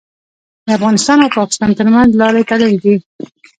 د افغانستان او پاکستان ترمنځ لارې تړلي دي.